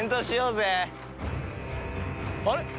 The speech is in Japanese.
あれ？